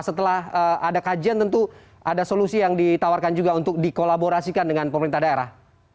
setelah ada kajian tentu ada solusi yang ditawarkan juga untuk dikolaborasikan dengan pemerintah daerah